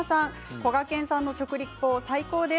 こがけんさんの食リポ最高です。